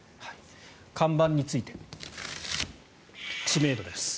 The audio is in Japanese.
看板について、知名度です。